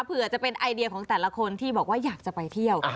เผื่อจะเป็นไอเดียของแต่ละคนที่บอกว่าอยากจะไปเที่ยว